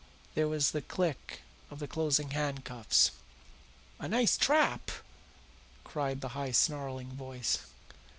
There was the click of the closing handcuffs. "A nice trap!" cried the high, snarling voice.